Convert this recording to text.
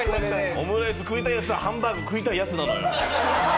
オムライス食いたいヤツはハンバーグ食いたいヤツなのよ。